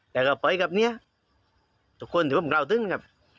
และก็แปบเนี้ยทุกคนเป็นคนกล่าวจริงครับ